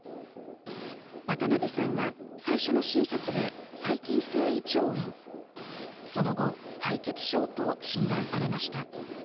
渡辺さんは最初の診察で細菌性胃腸炎、その後、敗血症と診断されました。